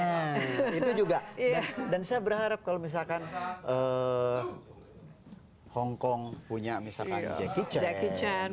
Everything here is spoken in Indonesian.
itu juga dan saya berharap kalau misalkan hongkong punya misalkan jackie chan